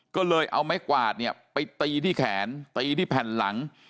ก็เลยเอาไม้กวาดเนี่ยไปตีที่แขนตีที่แผ่นหลัง